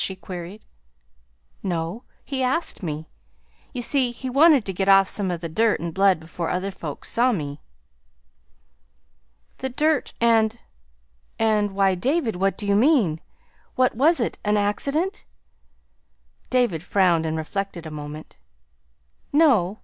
she queried. "No. He asked me. You see he wanted to get off some of the dirt and blood before other folks saw me." "The dirt and and why, David, what do you mean? What was it an accident?" David frowned and reflected a moment. "No.